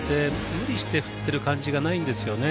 無理して振ってる感じがないんですよね。